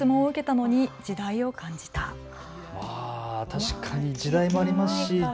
確かに時代もありますし。